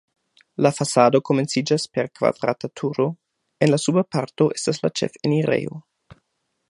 La fasado komenciĝas per kvadrata turo, en la suba parto estas la ĉefenirejo.